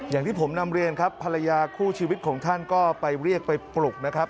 อย่างที่ผมนำเรียนครับภรรยาคู่ชีวิตของท่านก็ไปเรียกไปปลุกนะครับ